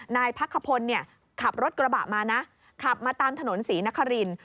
นายพระคพลเนี่ยขับรถกระบะมานะขับมาตามถนนศรีนครินทร์